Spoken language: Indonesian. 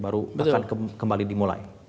baru akan kembali dimulai